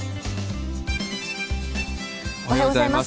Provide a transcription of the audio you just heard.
おはようございます。